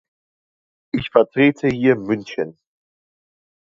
Ich vertrete hier München.